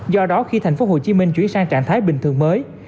do đó khi tp hcm chuyển sang trạng thái bình thường mới